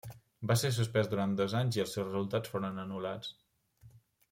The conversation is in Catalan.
Va ser suspès durant dos anys i els seus resultats foren anul·lats.